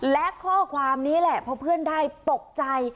และข้อความนี้แหละพอเพื่อนได้ตกใจ